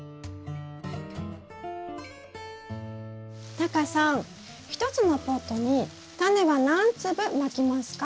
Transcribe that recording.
タカさん１つのポットにタネは何粒まきますか？